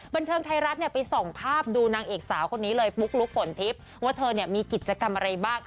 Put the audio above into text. บริเวณทางไทรัทไปส่งภาพดูนางเอกสาวคนนี้เลยปุ๊กลุ๊กผลทิศว่าเธอมีกิจกรรมอะไรบ้าง